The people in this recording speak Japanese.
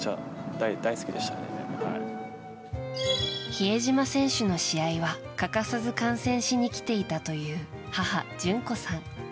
比江島選手の試合は欠かさず観戦しに来ていたという母・淳子さん。